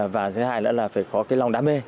và thứ hai nữa là phải có cái lòng đam mê